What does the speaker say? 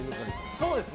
そうですね。